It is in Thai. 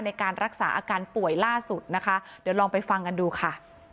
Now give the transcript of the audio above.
ในการรักษาอาการป่วยล่าสุดนะคะเดี๋ยวลองไปฟังกันดูค่ะ